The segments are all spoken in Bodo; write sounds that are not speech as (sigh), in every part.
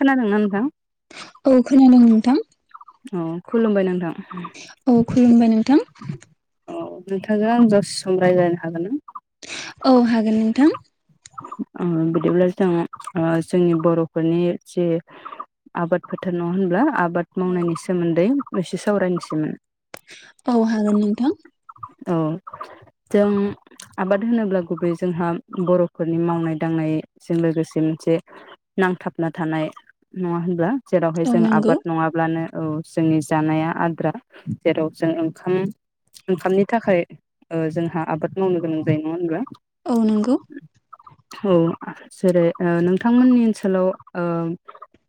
खोनादोंना नोंथां? औ खोनादों नोंथां। अ खुलुमबाय नोंथां। औ खुलुमबाय नोंथां। औ नोंथांजों आं जसे सम रायज्लायनो हागोन ना? औ हागोन नोंथां। ओ बिदिब्ला जों ओ जोंनि बर'फोरनि जे आबाद फोथार नंङा होनब्ला आब बाद मावनायनि सोमोन्दै एसे सावरायनोसैमोन। औ हागोन नोंथां। औ जों आबाद होनोब्ला गुबैयै जोंहा बर'फोरनि मावनाय दांनायजों लोगोसे मोनसे नांथाबना थानाय नङा होनब्ला? जेरावहाय औ जों नंगौ आबाद नङाब्लानो औ जोंनि जानाया आद्रा जेराव जों ओंखाम ओंखामनि थाखाय ओ जोंहा आबाद मावनो गोनां जायो नङा होनब्ला? औ नंगौ। औ जेरै ओ नोंथांमोननि ओनसोलाव ओ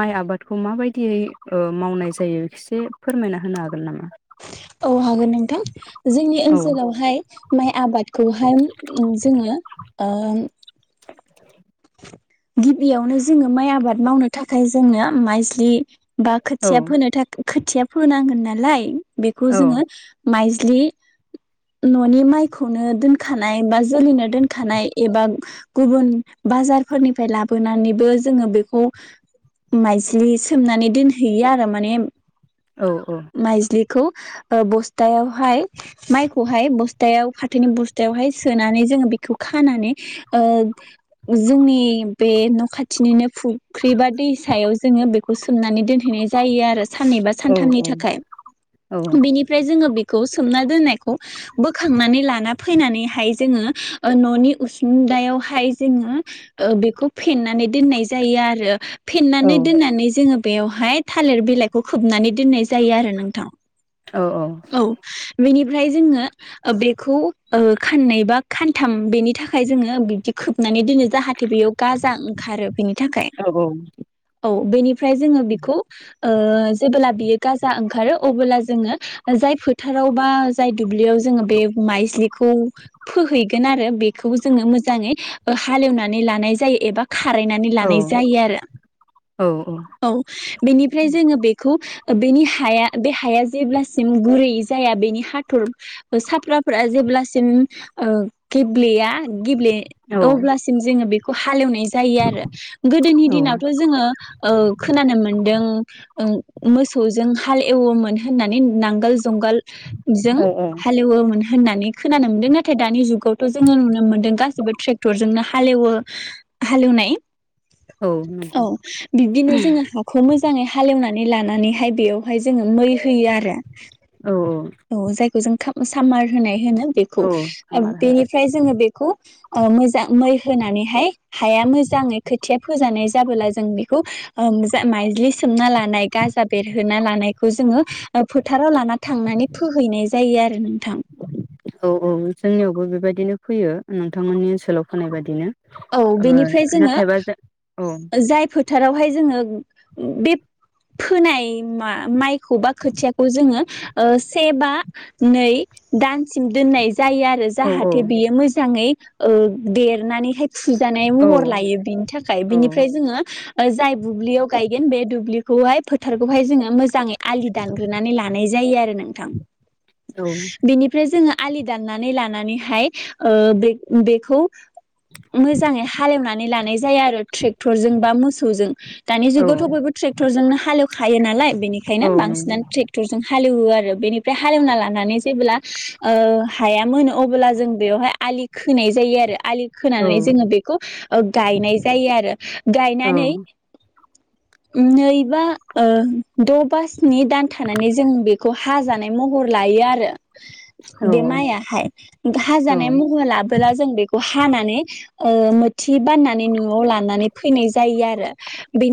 माइ आबादखौ माबायदियै ओ मावनाय जायो एसे फोरमायना होनो हागोन नामा? औ हागोन नोंथां जोंनि औ ओनसोलावहाय माइ आबादखौहाय उम जोङो ओम गिबियावनो जोङो माइ आबाद मावनो थाखाय जोंनो माइज्लि बा औ खोथिया फोनो थाखै खोथिया फोनांगोन नालाय बेखौ औ जोङो माइज्लि न'नि माइखौनो दोनखानाय बा जोलैनो दोनखानाय एबा ओ गुबुन बाजारफोरनिफ्राय लाबोनानैबो जोङो बेखौ माइज्लि सोमनानै दोनहैयो आरो माने औ औ खौ बस्थायावहाय माइखौहाय बस्थायाव फाथोनि बस्थायावहाय सोनानै जोङो बेखौ खानानै ओ जोंनि बे न' खाथिनिनो फुख्रि बा दै सायाव जोङो बेखौ सोमनानै दोनहैनाय जायो आरो साननै बा औ सानथामनि औ थाखाय औ बिनिफ्राय जोङो बे खौ सोमना दोननायखौ बोखांनानै लाना फैनानैहाय जोङो ओ न'नि उसुंदायावहाय जोङो ओ बेखौ फेनानै दोननाय जायो आरो औ फेन्नानै दोननानै जोङो बेवहाय थालिर बिलाइखौ खोबनानै दोननाय जायो आरो नोंथां औ औ बेनि फ्राय जोङो बेखौ ओ खाननै बा खानथाम बेनि थाखाय जोङो बिबदि खोबनानै दोनो जाहाथे बेयाव गाजा ओंखारो बेनि थाखाय औ। बेनि फ्राय जोङो बेखौ ओ जेबोला बियो गाजा ओंखारो अबोब्ला जोङो जाय फोथाराव बा जाय दुब्लियाव जोङो बे माइज्लिखौ फोहैगोन आरो बेखौबो जोङो मोजाङै हालेवनानै लानाय जायो एबा खारायनानै लानाय जायो आरो औ औ बेनिफ्राय जोङो बेखौ बेनि हाया बे हाया जेब्लासिम गुरै जाया बेनि हाथर साफ्राफोरा जेब्लासिम ओ गेब्लेया गेब्ले नंगौ औ अब्लासिम जोङो बे खौ हालेवनाय जा जायो आरो गोदोनि दिनावथ' जोङो ओ खोनानो मोनदों ओ मोसौजों हाल एवोमोन होननानै नांगोल जुंगाल जों औ हालेवोमोन होननानै खोनानो मोन्दों नाथाय दानि जु गावथ' जो नुनो मोनदों गासिबो ट्रेक जोंनो हालेवो हालेवनाय। औ बिब्दिनो जोङो हाखौ मो जाङै हालेवनानै लानानैहाय बेयावहाय जोङो मै होयो आरो। औ जायखौ जों सामार होनाय होनो बेखौ। औ औ बेनिफ्राय जोङो बेखौ ओ मोजां मै होनानैहाय हाया मोजाङै खोथिया फोजानाय जाबोला जों बेखौ ओ माइज्लि सोमना लानाय गाजा बेरहोना लानायखौ जोङो ओ फोथाराव लाना थांनानै फोहैनाय जायो आरो नोंथां। औ औ जोंनियावबो बेबायदिनो फैयो नोंथांमोननि ओनसोलाव फोनाय बादिनो। औ ओ बेनिफ्राय जोङो नाथायबा जों औ जाय फो थारावहाय जोङो बे फोनाय मा माइखौ बा खोथियाखौ जोङो ओ से बा नै दानसिम दोन्नाय जायो आरो औ औ जाहाथे बियो मोजाङै ओ देरनानैहाय फुजानाय औ महर लायो बिनि थाखाय बिनिफ्राय जोङो जाय बुब्लियाव गायगोन बे दुब्लि खौहाय फोथारखौहाय जोङो मोजाङै आलि दानग्रोनानै लानाय जायो आरो नोंथां। औ बेनिफ्राय जोङो आलि दान्नानै लानानैहाय ओ बे-बेखौ मोजाङै हालेवनानै लानाय जाया आरो ट्रेक्टरजों बा मोसौजों। दानि औ जुगावथ' बयबो ट्रेक्टरजोंनो हालेवखायो नालाय बेनिखायनो औ नंगौ बांसिनानो ट्रेक्टरजों हालेवो आरो। आरो बेनिफ्राय हालेवना लानानै जेब्ला ओ हाया मोनो अब्ला जों बेयावहाय आलि खोनाय जायो आरो आलि औ खोनानै जोङो बेखौ ओ गायनाय जायो आरो औ गायनानै नै बा ओ द' बा स्नि दान थानानै जों बेखौ हाजानाय महर लायो आरो। बे माइयाहाय। औ हाजानाय महर लाबोला जों बेखौ हानानै ओ मोथि बानना नै न'आव लानानै फैनाय जायो आरो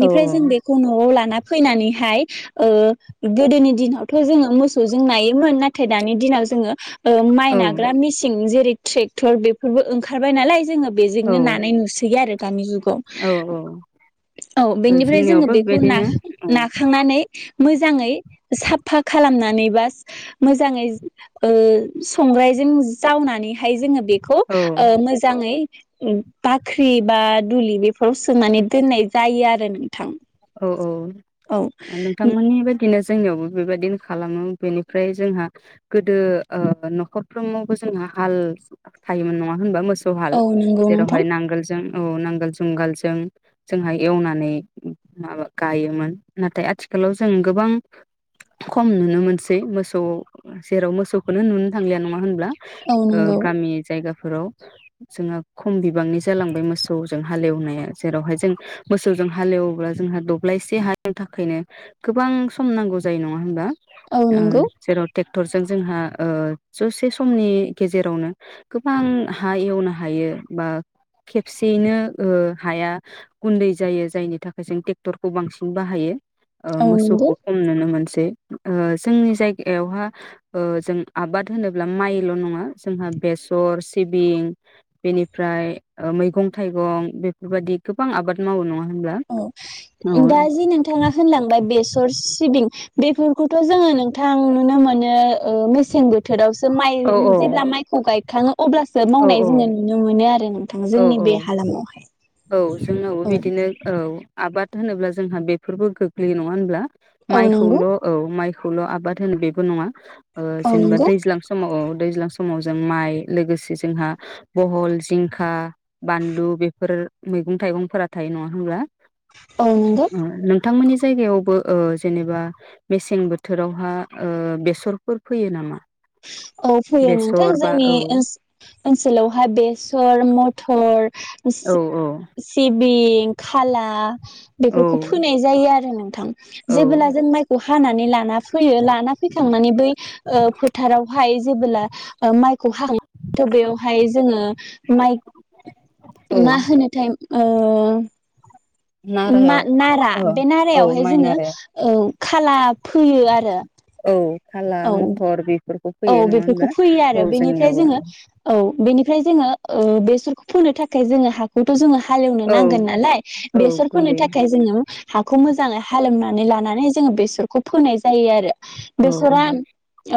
औ जों बेखौ न'आव लाना फैनानैहाय ओ गोदोनि दिनावथ' जोङो मोसौजों नायोमोन नाथाय दानि दिनाव जोङो ओ माइ नाग्रा मिसिं जेरै ट्रेक्टर बेफोरबो ओंखा खारबाय नाल जोङो औ बेजोंनो नानाय नुसै आरो दानि जुग गौ औ बेनिफ्राय जोङो जोंनियावबो बेखौ ना बेबायदिनो औ नाखांनानै मोजाङै साफा खालामनानै बा मोजाङै ओ संग्रायजों जावनानैहाय जोङो बे खौ औ ओ मोजाङै उम बाख्रि बा दुलि बेफोराव सोनानै दोननाय जायो आरो नोंथां औ औ औ नोंथांमोननि बदिनो जोंनियावबो बेबायदिनो खालामो बेनिफ्राय जोंहा गोदो ओ न'खरफ्रोमावबो जोंहा हाल थायोमोन नङा होनबा मोस जहाल औ नंगौ जेरावहाय नोंथां नांगोलजों औ नांगोल जुंगालजों जोंहा एवनानै माबा गायोमोन नाथाय आथिखालाव जों गोबां खम नुनो मोनसै मोसौ जेराव मोसौखौनो नुनो थांलिया नङा होनब्ला औ नंगौ गामि जायगा राव जोंहा खम बिबांनि जालांबाय मोसौजों हालेवनाया जेरावहाय जों मोसौजों हालेवोब्ला जोंहा दब्लायसे हानि थाखायनो गोबां सम नांगौ जायो नंङा होनबा औ जेराव ट्रेक्टरजों जोंहा ओ जसे समनि गेजेरावनो गोबां हा एवनो हायो बा खेबसेयैनो ओ हाया गुन्दै जायो जायनि थाखाय जों ट्रेक्टरखौ बांसिन बाहायो ओ औ नंगौ मोसौखौ खम नुनो मोनसै जोंनि जायगायावहा ओ जों आबाद होनोब्ला माइल' नङा जोंहा बेसर सिबिं बेनिफ्राय मैगं-थाइगं बेफोरबायाददि गोबां आबाद मावो नङा होमब्ला औ दा जि नोंथाङा होनलांबाय बेसर सिबिं बेफोरखौथ' जोङो नोंथां नुनो मोनो ओ मेसें बोथोरावसो माइ औ जेब्ला औ माइखौ गाय खांङो अब्लासो औ मावनाय जोङो नुनो मोनो आरो ना औ जोंनि बे औ हालामावहाय औ जोंनावबो औ बिदिनो औ आबाद होनोब्ला जोंहा बेफोरबो गोग्लैयो नङा होनब्ला औ नंगौ माइखौल' औ माइ खौल' आबाद होनो बेबो नङा ओ औ जेनेबा नंगौ दैज्लां समाव दैज्लां समाव जों माइ लोगोसे जोंहा बहल, जिंखा, बानलु बेफोर मैगं थाइगंफोरा थायो नंङा होनब्ला? औ नंगौ ओ नों नोंथांमोननि जायगायावबो ओ जेनेबा मेसें बोथोरावहा ओ बेसरफोर फोयो नामा? औ फोयो नोंथां बेसर बा जोंनि औ ओनस ओनसोलावहा बे सर, मथर औ औ सि-सिब बिं, खाला औ बेफोरखौ फोनाय जायो आरो नों औ जेबोला जों माइखौ हा हानानै लाना फैयो लाना फैखांनानै बै ओ फोथारावहाय जेबोला ओ माइ खौहाय थ' बेयावहाय जोङो माइ औ मा होनोथाय ओ नारायाव नारा औ बे औ नारायावहाय माइ जोङो नारायाव औ खाला फोयो आरो औ खाला औ मथर बे औ बेफोरखौ फैयो आरो बेनिफ्राय जोङो औ बेनि ओमफ्राय जोङो ओ बेसरखौ फोनो थाखाय जोङो हाखौथ' जोङो हालेवनो औ नांगोन नालाय औ बेसर फोनो गुन्दै थाखाय जोङो हाखौ मोजाङै हालेवना माने लानानै जोङो बेसरखौ फोनाय जायो आरो। औ औ बेसरा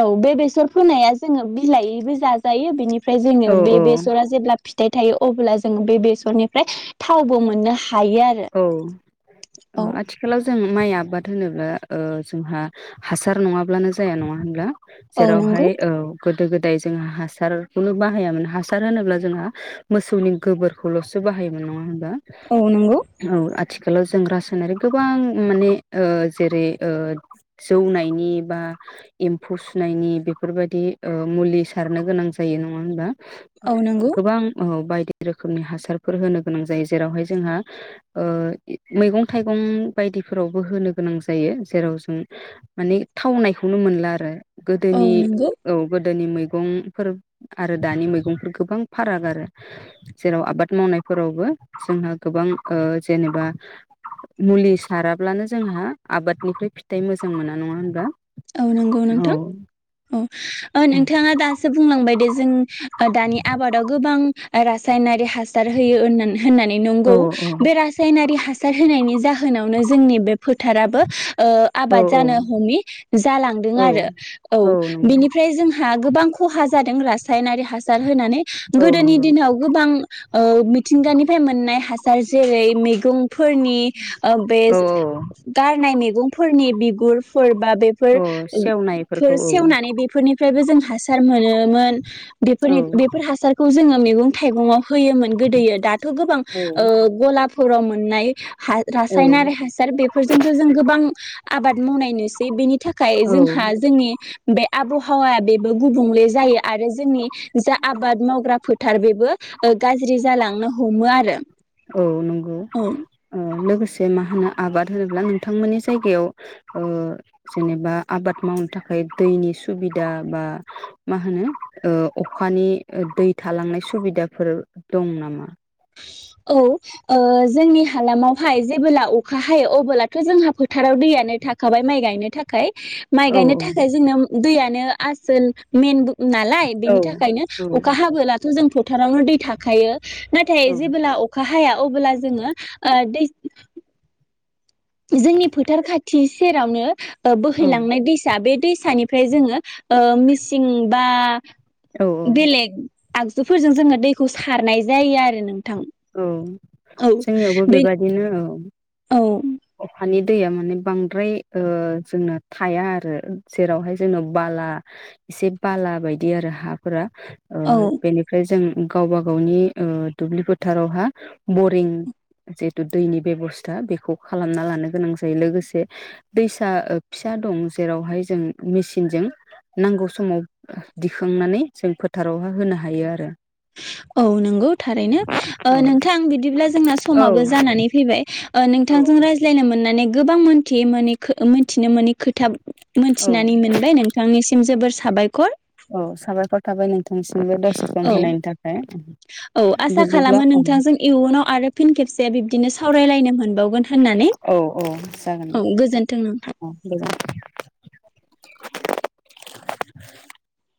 औ बे बेस सर फोनाया जोङो बिलायैबो जाजायो बेनि फ्राय जोङो औ बे औ बेसरा जेब्ला फिथ थाइ थायो अब्ला जोंङो बे बेसननिफ्राय थावबो मोननो हा हायो आरो। ओ औ आथिखालाव जों माइ आबाद होनोब्ला ओ जोंहा हासार नङाब्लानो जाया नङा होनब्ला? औ जेरावहाय नंगौ औ गोदो गोदाय जों हासारखौनो बाहायामोन हासार होनोब्ला जोंहा मोसौनि गोबोरखौल'सो बाहायोमोन नङा होनबा? औ नंगौ (unintelligible) औ आथिखालाव जों रासायनारि गोबां माने ओ जेरै जौनायनि बा एम्फौ सुनायनि बेफोरबायदि मुलि सारनो गोनां जायो नङा होनबा औ नंगौ गोबां औ बायदि बायदि रोखोमनि हासारफोर होनो गोनां जायो जेरावहाय जोंहा मैगं थाइगं बायदिफोरावबो होनो गोनां जायो जेराव जों माने थावनायखौनो मोनला आरो औ गोदोनि नंगौ औ गोदो गोदोनि मैगंफोर आरो दानि मैगंफोर गोबां फाराग आरो जेराव आबाद मावनायफोरावबो जोंहा गोबां ओ जेनेबा मुलि साराब्लानो जोंहा आफादनिफ्राय फिथाइ मोजां मोना नङा होनबा औ नंगौ औ नोंथां औ नोंथाङा दासो बुंलांबाय दे जों दानि आबादाव गोबां रासायनारि हासार होयो होननानै होननानै औ नंगौ बे रासायनारि हासार सार होनायनि जाहो होनावनो जोंनि बे फोथाराबो ओ औ आबाद औ जानो हमि जालांदों औ आरो औ बिनिफ्राय जोंहा गोबां खहा जादों रास सायनारि हासार होनानै औ गोदोनि नंगौ दिनाव गोबां ओ मिथिंगानि फ्राय मोननाय हास जार जैरै मैगं फोरनि ओ बे औ गारनायनि गंफोरनि बिगुरफोर बा फोर औ ओग फोर सेवनायफोरखौ औ सेवनानै बेफोरनिफ्रायबो जों हासार मोनोमोन। औ बेफोरनि बेफोर हासारखौ जोंङो मैगं थाइगं आव होयोमोन गोदोयो दाथ' गोबां औ ओ गलाब फोराव मोननाय हा औ रासायनारि हासार बेफोरजोंसो जों गोबां आबाद मावनाय नुसै बेनि थाखाय औ जोंहा जोंनि बे आबहावाया बेबो गुबुंले जायो आरो जोंनि जा आबाद मावग्रा फोथार बेबो ओ गाज्रि जालांनो हमो आरो। औ नंगौ औ ओ लोगोस से मा होनो आबाद होनोब्ला नोंथांमोननि जायगायाव ओ जेनेबा आबाद मावनो थाखाय दैनि सुबिदा बा मा होनो ओ अखानि दै थालांनाय सुबिदाफोर दं नामा? औ ओ जोंनि हालामावहाय जेबोब्ला अखा हायो अबोलाथ' जोंहा फोथाराव दैयानो थाखाबाय माइ गायनो थाखाय। माइ औ गायनो थाखाय जोंनो दैया नो आसोल मेन बु नालाय औ बेनि थाखायनो औ अखा हाबोलाथ' जों फो फोथारावनो दै थाखायो नाथाय औ जेबोला अखा हाया अब्ला जोंङो ओ दै जोंनि फोथार खाथि सेरावनो ओ औ बोहैलांनाय दैसा बे दैसानिफ्राय जोङो ओ मिसिं बा औ बेलग आगजुफोरजों जोंङो दैखौ सारनाय जायो आरो नों औ जोंनियावबो बे बेबायदिनो औ औ अखानि दैया माने बांद्राय ओ जोंना थाया आरो जेरावहाय जोंनो बाला एसे बाला बायदि आरो हाफोरा। ओ औ बेनिफ्राय जों गावबा गावनि ओ दुब्लिफोर फोथारावहा बरिं जितु दैनि बेबस्था बेखौ खालामना लानो गोनां जायो लोगोसे दैसा ओ फिसा दं जेरावहाय जों मेसिनजों नांगौ समाव दिखांनानै जों फोथारावहा होनो हायो आरो। औ नंगौ थारैनो। ओ औ नोंथां बिदिब्ला जोंना औ समाबो जानानै फैबाय ओ औ नोंथांजों रायज्लायनो मोननानै गोबां मोनथि मोनि मोनथिनो माने खोथा औ मोनथिनानै मोनबाय नोंथांनिसिम जोबोर साबायखर औ साबायखर थाबाय नों थांनिसिमबो दसि सम औ होनायनि थाखाय औ आसा बिदिब्ला बिबदिनो सावरायलायनो मोनबावगोन। होननानै औ औ जागोन औ गोजोन्थों नोंथां औ नोंथां गोजोन (inaudible)